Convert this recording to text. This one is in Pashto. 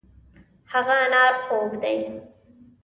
هغه انار خوږ دی.